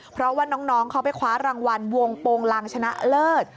เพราะว่าน้องเขาไปคว้ารางวัลวงโปรงลังชนะเลิศ